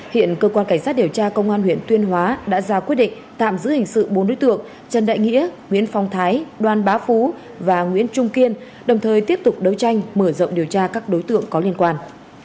hiện cơ quan cảnh sát điều tra công an huyện tuyên hóa đã ra quyết định tạm giữ hình sự bốn đối tượng trần đại nghĩa nguyễn phong thái đoàn bá phú và nguyễn trung kiên đồng thời tiếp tục đấu tranh mở rộng điều tra các đối tượng có liên quan